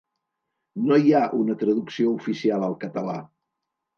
No hi ha una traducció oficial al català.